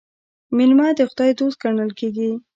میلمه د خدای دوست ګڼل کیږي.